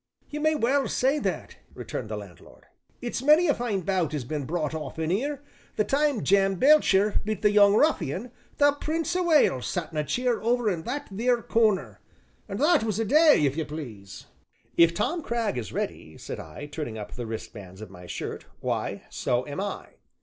"You may well say that," returned the landlord; "it's many a fine bout as has been brought off in 'ere; the time Jem Belcher beat 'The Young Ruffian' the Prince o' Wales sat in a cheer over in that theer corner ah, that was a day, if you please!" "If Tom Cragg is ready," said I, turning up the wristbands of my shirt, "why, so am I."